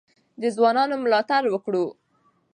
د ځوانانو ملاتړ وکړو.